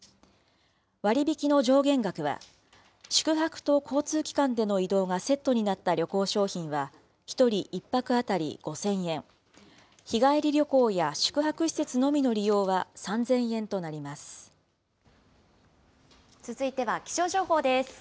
割引の上限額は、宿泊と交通機関での移動がセットになった旅行商品は１人１泊当たり５０００円、日帰り旅行や宿泊施設のみの利用は３０００円とな続いては気象情報です。